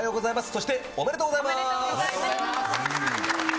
そして、おめでとうございます！